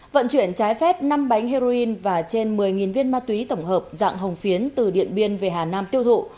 vận chuyển trái phép năm bánh heroin và trên một mươi viên ma túy tổng hợp dạng hồng phiến từ điện biên về hà nam tiêu thụ